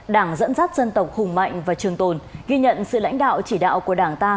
đảng dẫn dắt dân tộc hùng mạnh và trường tồn ghi nhận sự lãnh đạo chỉ đạo của đảng ta